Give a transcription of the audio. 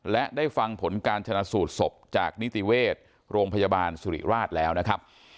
และได้ฟังผลการชนะสูตรศพจากนิติเวชโรงพยาบาลสุริราชแล้วนะครับ